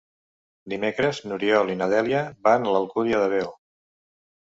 Dimecres n'Oriol i na Dèlia van a l'Alcúdia de Veo.